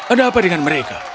ada apa dengan mereka